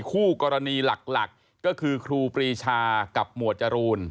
คู่กรณีหลักก็คือครูปรีชากับหมวดจรูน